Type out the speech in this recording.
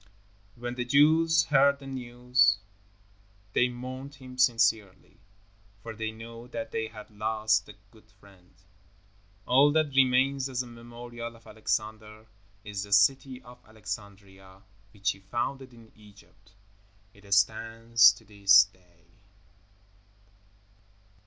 When the Jews heard the news, they mourned him sincerely, for they knew that they had lost a good friend. All that remains as a memorial of Alexander is the city of Alexandria, which he founded in Egypt. It stands to this day.